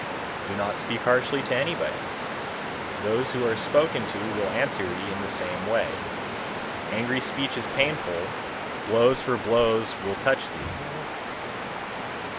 133. Do not speak harshly to anybody; those who are spoken to will answer thee in the same way. Angry speech is painful, blows for blows will touch thee.